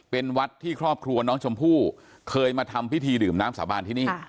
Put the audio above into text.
เป็นวัดที่ครอบครัวน้องชมพู่เคยมาทำพิธีดื่มน้ำสาบานที่นี่